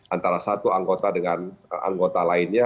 antara satu anggota dengan anggota lainnya